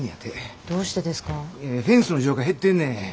フェンスの需要が減ってんねん。